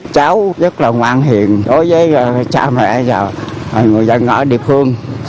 cháu rất là ngoan hiền đối với cha mẹ và người dân ở địa phương